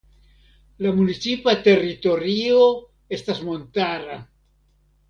La municipa teritorio estas montara.